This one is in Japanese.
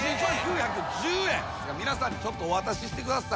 皆さんにちょっとお渡ししてください。